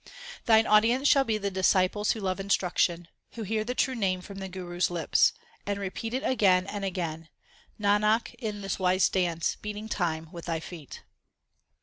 Thine audience shall be the disciples who love instruction, Who hear the true Name from the Guru s lips, And repeat it again and again Nanak, in this wise dance beating time with thy feet.